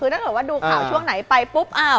นั่นเหมือนว่าดูข่าวช่วงไหนไปปุ๊บอ้า